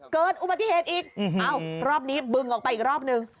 เกิดอุบัติเหตุอีกเอ้ารอบนี้บึงออกไปอีกรอบนึง